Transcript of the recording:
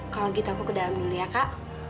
kalau gitu aku ke dalam dulu ya kak